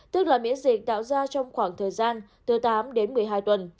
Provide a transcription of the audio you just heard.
tức là miễn dịch tạo ra trong khoảng thời gian từ tám đến một mươi hai tuần